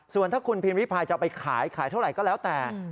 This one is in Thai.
ส่วนถ้าคุณพิมพิพายจะเอาไปขายขายเท่าไหร่ก็แล้วแต่